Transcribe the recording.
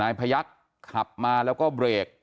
พยักษ์ขับมาแล้วก็เบรก